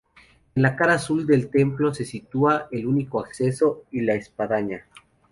En la cara sur del templo se sitúa el único acceso y la espadaña.